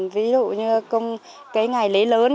ví dụ như cái ngày lễ hôm sáng